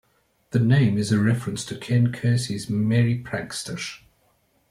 The name is a reference to Ken Kesey's Merry Pranksters.